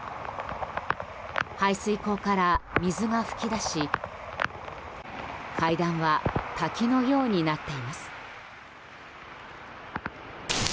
排水溝から水が噴き出し階段は滝のようになっています。